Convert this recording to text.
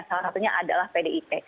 salah satunya adalah pdip